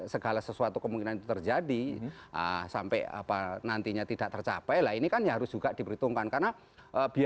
selamat malam bang albi